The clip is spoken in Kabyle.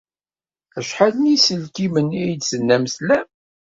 Acḥal n yiselkimen ay d-tennam tlam?